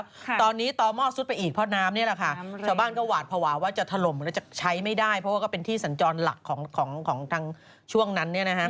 แต่ตอนนี้ต่อมอบซุดไปอีกเพราะด้ามนี่แหละค่ะ